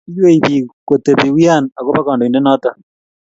iywei biik kotebi wian agoba kandoitindet noto